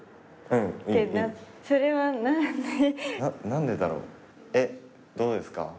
何でだろうえっどうですか？